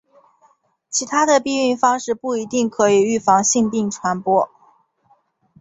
其他的避孕方式不一定可以预防性病传播。